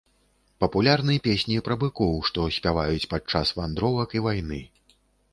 Папулярны песні пра быкоў, што спяваюць падчас вандровак і вайны.